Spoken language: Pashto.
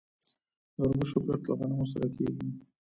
د وربشو کښت له غنمو سره کیږي.